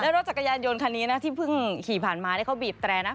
รถจักรยานยนต์คันนี้นะที่เพิ่งขี่ผ่านมาเขาบีบแตรนะ